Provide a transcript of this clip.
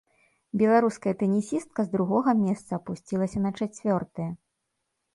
Беларуская тэнісістка з другога месца апусцілася на чацвёртае.